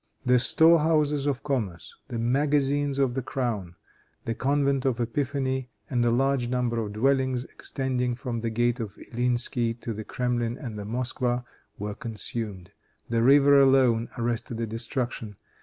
The store houses of commerce, the magazines of the crown, the convent of Epiphany and a large number of dwellings, extending from the gate of Illinsky, to the Kremlin and the Moskwa, were consumed. The river alone arrested the destruction.